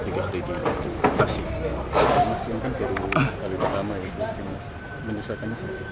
mas ini kan baru kali pertama ya mungkin menyesuaikannya seperti apa